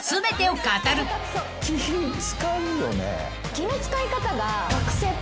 気の使い方が。